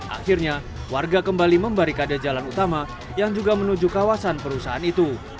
akhirnya warga kembali membarikade jalan utama yang juga menuju kawasan perusahaan itu